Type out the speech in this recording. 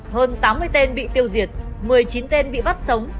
hơn tám mươi tên bị tiêu diệt một mươi chín tên bị bắt sống